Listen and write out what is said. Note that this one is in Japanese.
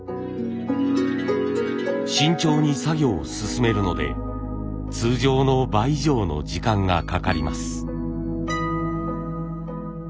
慎重に作業を進めるので通常の倍以上の時間がかかります。